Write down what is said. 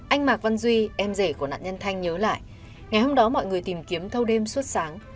anh mạc văn duy em rể của nạn nhân thanh nhớ lại ngày hôm đó mọi người tìm kiếm thâu đêm suốt sáng